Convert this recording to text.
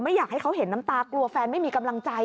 อยากให้เขาเห็นน้ำตากลัวแฟนไม่มีกำลังใจ